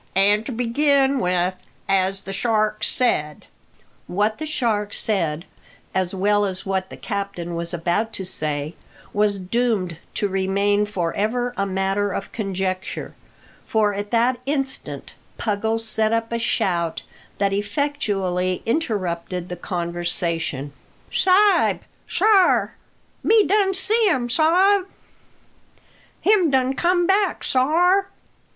An' to begin with, as the shark said " What the shark said, as well as what the captain was about to say, was doomed to remain for ever a matter of conjecture, for at that instant Puggles set up a shout that effectually interrupted the conversation. "Sa'b! sar! me done see um, sa'b. Him done come back, sar."